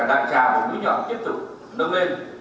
giáo dục phổ thông cả đại trà và núi nhỏ tiếp tục nâng lên